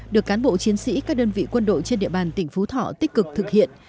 được cán bộ chiến sĩ các đơn vị quân đội trên địa bàn tỉnh phú thọ tích cực thực hiện